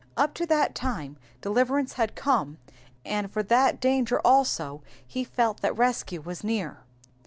''^ Up to that time deliverance had come, and for that danger also he felt that rescue was near.